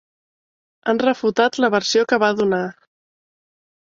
Han refutat la versió que va donar.